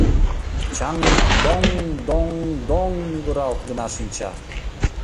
Чаҥ йӱк доҥ-доҥ-доҥ мӱгыралт гына шинча.